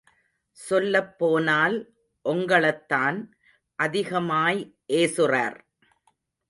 சொல்லப் போனால் ஒங்களைத்தான் அதிகமாய் ஏசுறார்.